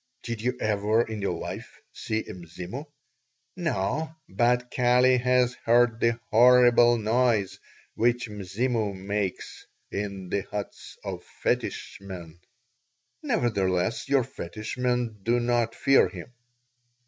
"Did you ever in your life see a Mzimu?" "No, but Kali has heard the horrible noise which Mzimu makes in the huts of fetish men." "Nevertheless your fetish men do not fear him."